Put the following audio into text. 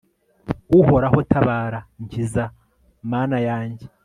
uhoraho, tabara! nkiza, mana yanjye